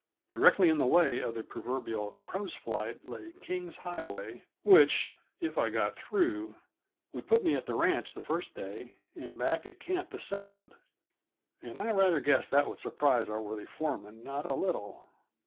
Directly in the way of the proverbial crow's flight lay King's Highway, which if I got through would put me at the ranch the first day, and back at camp the second; and I rather guessed that would surprise our worthy foreman not a little.